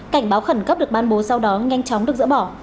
cảnh báo khẩn cấp được ban bố sau đó nhanh chóng được dỡ bỏ